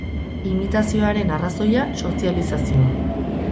Imitazioaren arrazoia, sozializazioa.